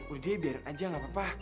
udah deh biarin aja gapapa